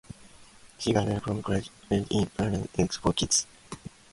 She graduated from college specializing in physical education for kids.